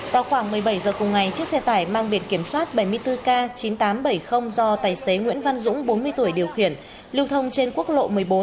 vào khoảng một mươi bảy h cùng ngày chiếc xe tải mang biển kiểm soát bảy mươi bốn k chín nghìn tám trăm bảy mươi do tài xế nguyễn văn dũng bốn mươi tuổi điều khiển lưu thông trên quốc lộ một mươi bốn